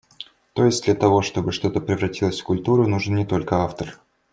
То есть, для того, чтобы что-то превратилось в культуру нужен не только автор.